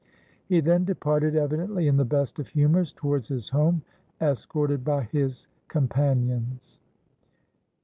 He then departed, evidently in the best of humors, towards his home, escorted by his companions.